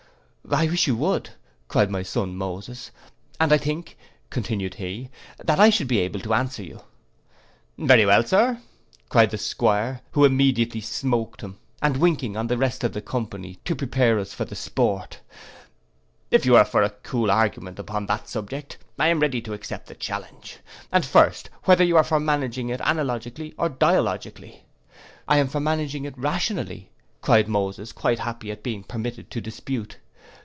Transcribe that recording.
'—'I wish you would,' cried my son Moses, 'and I think,' continued he, 'that I should be able to answer you.'—'Very well, Sir,' cried the 'Squire, who immediately smoaked him,' and winking on the rest of the company, to prepare us for the sport, if you are for a cool argument upon that subject, I am ready to accept the challenge. And first, whether are you for managing it analogically, or dialogically?' 'I am for managing it rationally,' cried Moses, quite happy at being permitted to dispute.